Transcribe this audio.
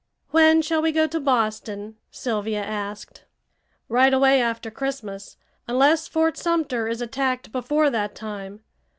"When shall we go to Boston?" Sylvia asked. "Right away after Christmas, unless Fort Sumter is attacked before that time.